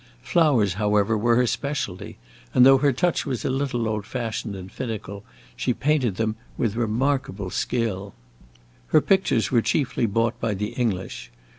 Flowers, however, were her speciality, and though her touch was a little old fashioned and finical, she painted them with remarkable skill. Her pictures were chiefly bought by the English.